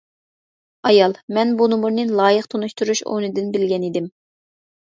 ئايال:-مەن بۇ نومۇرنى لايىق تونۇشتۇرۇش ئورنىدىن بىلگەن ئىدىم.